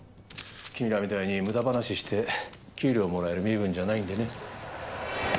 君らみたいに無駄話して給料もらえる身分じゃないんでね。